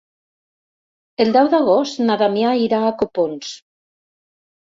El deu d'agost na Damià irà a Copons.